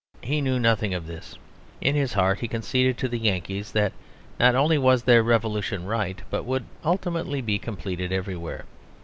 He knew nothing of this; in his heart he conceded to the Yankees that not only was their revolution right but would ultimately be completed everywhere.